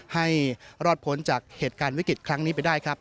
ให้รอดพ้นจากเหตุการณ์วิกฤตครั้งนี้ไปได้ครับ